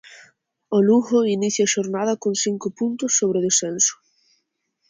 O Lugo inicia a xornada con cinco puntos sobre o descenso.